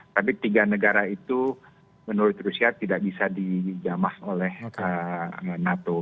tapi tiga negara itu menurut rusia tidak bisa dijamah oleh nato